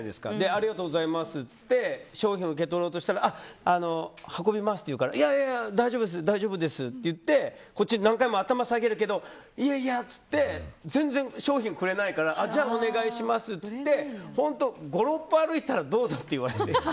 ありがとうございますって言って商品を受け取ろうとしたら運びますって言うからいやいや、大丈夫ですって言ってこっちも何回も頭を下げるけどいやいやっていって全然商品をくれないからじゃあ、お願いしますって言って５６歩歩いたらどうぞって言われて。